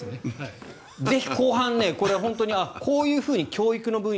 ぜひ後半、これは本当にこういうふうに教育の分野